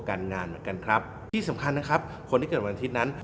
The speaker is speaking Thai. การงานเหมือนกันครับที่สำคัญนะครับคนที่เกิดวันอาทิตย์นั้น